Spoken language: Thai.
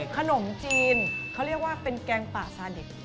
ขนมจีนเขาเรียกว่าเป็นแกงป่าซาดิบ